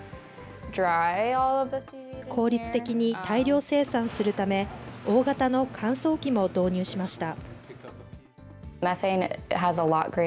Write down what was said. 効率的に大量生産するため、大型の乾燥機も導入しました。